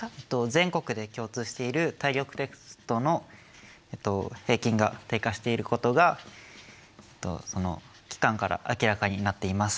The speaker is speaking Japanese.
全国で共通している体力テストの平均が低下していることがその機関から明らかになっています。